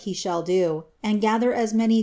le shall do, and gather as 10 n i